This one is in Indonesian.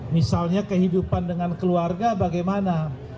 misalnya kehidupan dengan keluarga bagaimana